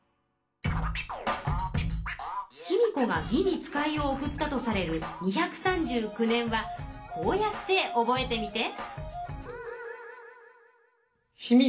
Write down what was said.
卑弥呼が魏に使いを送ったとされる２３９年はこうやって覚えてみて。